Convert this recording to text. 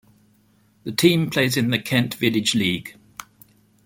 The team plays in the Kent Village League.